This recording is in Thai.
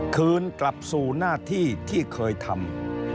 คืนกลับสู่หน้าที่ที่เคยทำ